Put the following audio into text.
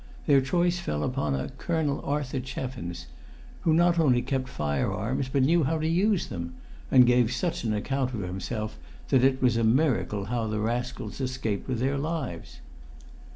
Their choice fell upon a Colonel Arthur Cheffins, who not only kept fire arms but knew how to use them, and gave such an account of himself that it was a miracle how the rascals escaped with their lives.